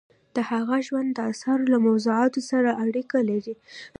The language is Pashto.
د هغه ژوند د اثارو له موضوعاتو سره اړیکه لري.